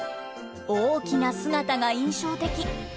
大きな姿が印象的。